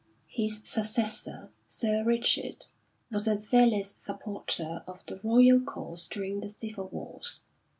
His successor, Sir Richard, was a zealous supporter of the Royal cause during the civil wars.